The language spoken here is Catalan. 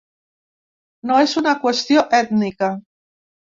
No és una qüestió ètnica.